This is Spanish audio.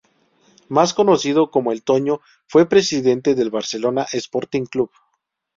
Más conocido como el Toño, fue presidente del Barcelona Sporting Club.